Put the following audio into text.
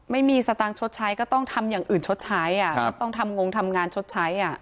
ไม่มีสตางค์ชดใช้ก็ต้องทำอย่างอื่นชดใช้ต้องทำงงทำงานชดใช้